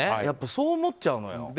やっぱりそう思っちゃうのよ。